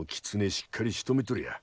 しっかりしとめとりゃあ